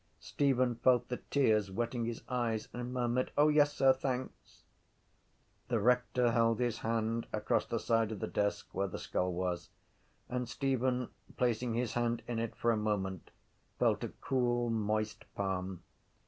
Stephen felt the tears wetting his eyes and murmured: —O yes sir, thanks. The rector held his hand across the side of the desk where the skull was and Stephen, placing his hand in it for a moment, felt a cool moist palm.